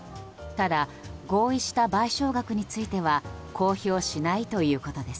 ただ、合意した賠償額については公表しないということです。